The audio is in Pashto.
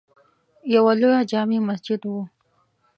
یوه لویه جامع مسجد وه.